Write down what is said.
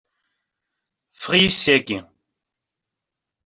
Ffeɣ-iyi syagi!